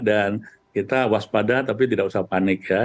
dan kita waspada tapi tidak usah panik ya